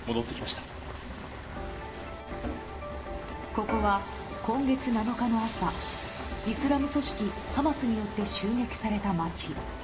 ここは今月７日の朝イスラム組織ハマスによって襲撃された町。